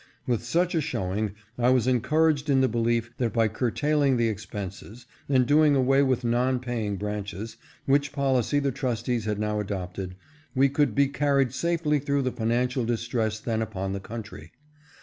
With such a showing I was encouraged in the belief that by curtailing the expenses, and doing away with non paying branches, which policy the trustees had now adopted, we could be carried safely through the financial distress then upon the country.